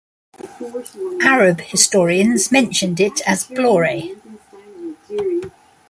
Arab historians mentioned it as Blore.